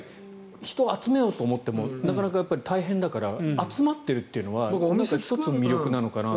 人を集めようと思ってもなかなかやっぱり大変だから集まってるというのは１つの魅力なのかなと。